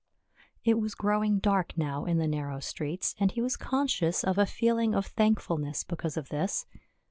It was growing dark now in the narrow streets, and he was conscious of a feeling of thankfulness because of this.